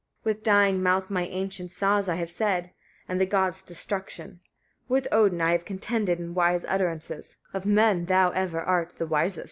With dying mouth my ancient saws I have said, and the gods' destruction. With Odin I have contended in wise utterances: of men thou ever art the wisest!